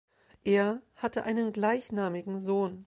Er hatte einen gleichnamigen Sohn.